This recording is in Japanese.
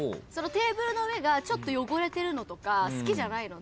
テーブルの上がちょっと汚れてるの好きじゃない。